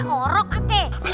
emang aneh orok kakek